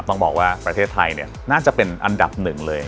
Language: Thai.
ต้องบอกว่าประเทศไทยน่าจะเป็นอันดับหนึ่งเลย